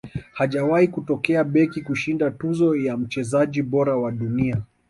hajawahi kutokea beki kushinda tuzo ya mchezaji bora wa dunia